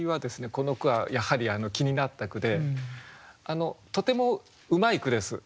この句はやはり気になった句でとてもうまい句です。